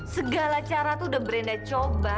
segala cara tuh udah brenda coba